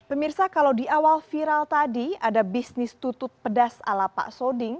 pemirsa kalau di awal viral tadi ada bisnis tutut pedas ala pak soding